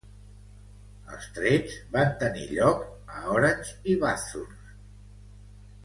Els trets van tenir lloc a Orange i Bathurst.